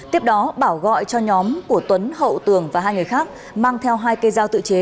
tiếp đó bảo gọi cho nhóm của tuấn hậu tường và hai người khác mang theo hai cây dao tự chế